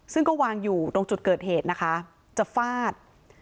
ซึ่งก็วางอยู่ตรงจุดเกิดเหตุนะคะจะฟาด